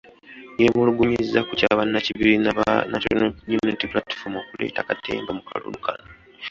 Yeemulugunyizza ku kya bannakibiina kya National Unity Platform okuleeta katemba mu kalulu kano .